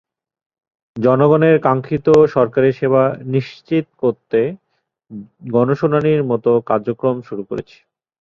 জনগণের কাঙ্ক্ষিত সরকারি সেবা নিশ্চিত করতে গণশুনানির মতো কার্যক্রম শুরু করেছি।